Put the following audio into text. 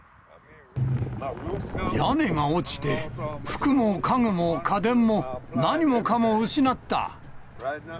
屋根が落ちて、服も家具も家電も、何もかも失った。